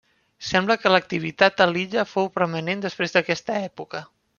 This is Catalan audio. Sembla que l'activitat a l'illa fou permanent després d'aquesta època.